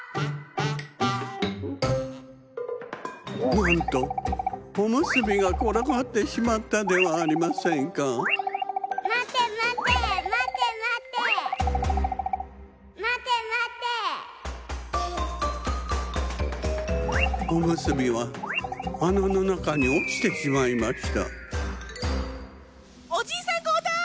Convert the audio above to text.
なんとおむすびがころがってしまったではありませんかおむすびはあなのなかにおちてしまいましたおじいさんこうたい！